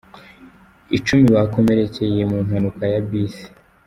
Icumi bakomerekeye mu mpanuka ya bisi